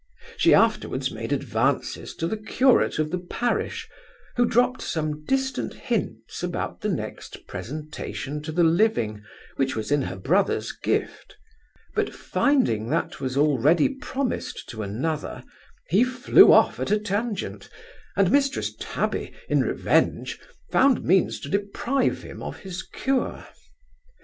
She afterwards made advances to the curate of the parish, who dropped some distant hints about the next presentation to the living, which was in her brother's gift; but finding that was already promised to another, he flew off at a tangent; and Mrs Tabby, in revenge, found means to deprive him of his cure.